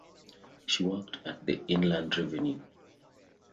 She worked at the Inland Revenue.